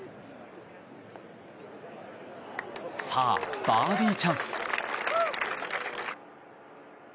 さあ、バーディーチャンス。